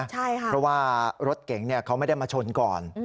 เพราะว่ารถเก๋งเขาไม่ได้มาชนก่อน